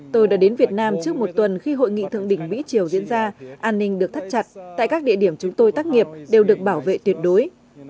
tôi đã đến việt nam trước một tuần khi hội nghị thượng đỉnh mỹ triều diễn ra an ninh được thắt chặt tại các địa điểm chúng tôi tác nghiệp đều được bảo vệ tuyệt đối